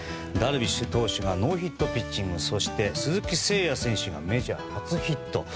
ダルビッシュ投手がノーヒットピッチングそして、鈴木誠也選手がメジャー初ヒット。